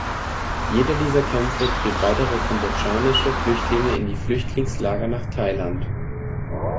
Jeder dieser Kämpfe trieb weitere kambodschanische Flüchtlinge in die Flüchtlingslager nach Thailand.